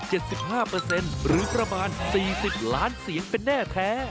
หรือประมาณสี่สิบล้านเสียงเป็นแน่แท้